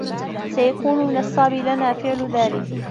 سيكون من الصعب لنا فعل ذلك.